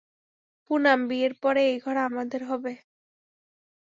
পুনাম, বিয়ের পরে, এই ঘর আমাদের হবে।